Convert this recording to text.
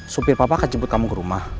supir papa akan jemput kamu ke rumah